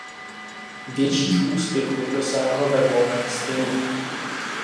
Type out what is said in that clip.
Větších úspěchů dosáhl ve volném stylu.